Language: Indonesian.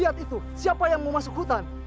lihat itu siapa yang mau masuk hutan